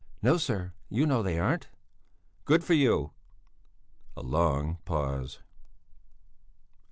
"No, sir, you know they aren't." "Good for you." A long pause.